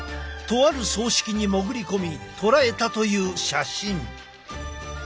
とある葬式に潜り込み捉えたという写真。